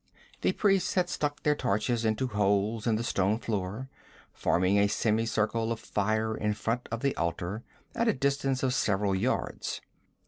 The priests had stuck their torches into holes in the stone floor, forming a semicircle of fire in front of the altar at a distance of several yards.